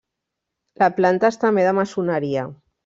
La planta és també de maçoneria.